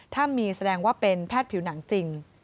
ถ้ามีแสดงว่าเป็นแพทย์ผิวหนังจริง